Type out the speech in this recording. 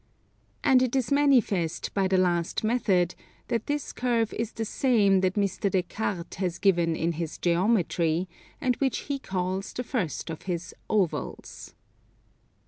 And it is manifest by the last method that this curve is the same that Mr. Des Cartes has given in his Geometry, and which he calls the first of his Ovals.